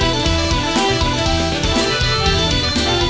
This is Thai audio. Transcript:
ขอบคุณครับ